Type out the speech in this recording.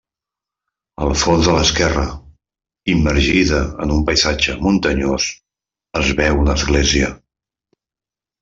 Al fons a l'esquerra, immergida en un paisatge muntanyós, es veu una església.